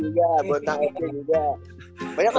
iya bontang ece juga